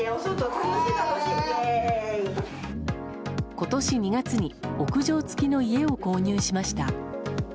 今年２月に屋上付きの家を購入しました。